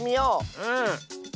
うん。